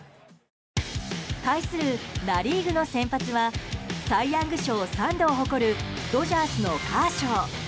対するナ・リーグの先発はサイ・ヤング賞３度を誇るドジャースのカーショー。